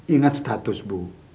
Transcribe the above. ingat status bu